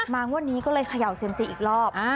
งวดนี้ก็เลยเขย่าเซียมซีอีกรอบ